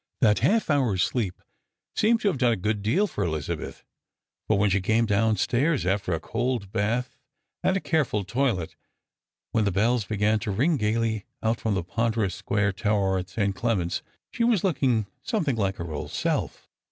That half hour's sleep seemed to have done a good deal for Elizabeth ; for when she came downstairs, after a cold bath and a careful toilette, when the bells began to ring gaily out from the ponderous square tower of St. Clement's, she was looking something Hke her old self.